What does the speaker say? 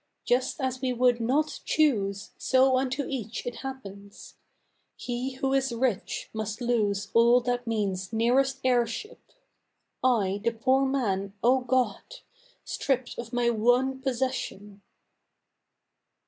Just as we would not choose, so unto each it happens! He who is rich must lose all that means nearest heirship, I, the poor man, O God! stripped of my one possession!